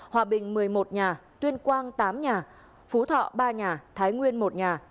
hòa bình một mươi một nhà tuyên quang tám nhà phú thọ ba nhà thái nguyên một nhà